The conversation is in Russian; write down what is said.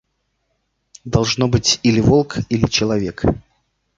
Должно быть, или волк, или человек».